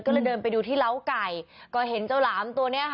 ก็เลยเดินไปดูที่เล้าไก่